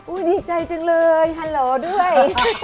ดีใจจังเลยฮัลโหลด้วย